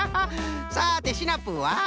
さてシナプーは？